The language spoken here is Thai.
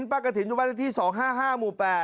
พระกะถินชุมวันคว่า๒๕๕หมู่๘